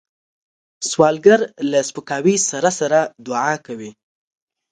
سوالګر له سپکاوي سره سره دعا کوي